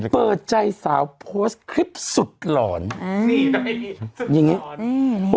เปิดใจสาวโพสต์คลิปสุดหลอนนี่น่ะสุดหลอนยังงี้อืม